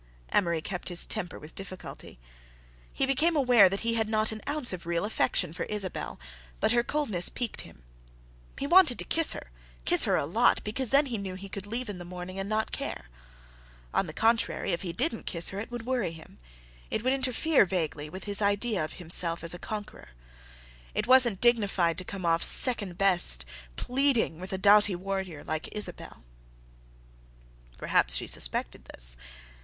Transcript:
Amory kept his temper with difficulty. He became aware that he had not an ounce of real affection for Isabelle, but her coldness piqued him. He wanted to kiss her, kiss her a lot, because then he knew he could leave in the morning and not care. On the contrary, if he didn't kiss her, it would worry him.... It would interfere vaguely with his idea of himself as a conqueror. It wasn't dignified to come off second best, pleading, with a doughty warrior like Isabelle. Perhaps she suspected this.